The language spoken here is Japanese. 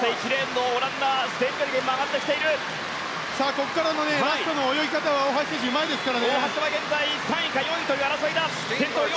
ここからラストの泳ぎ方は大橋選手、うまいですから。